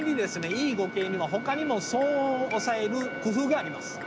Ｅ５系には他にも騒音を抑える工夫があります。